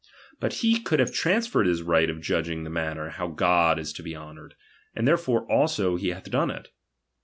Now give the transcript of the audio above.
But he could have transferred his right of judging the manner how God is to be honoured; and therefore also he hath done it.